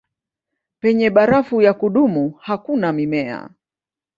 Penye barafu ya kudumu hakuna mimea.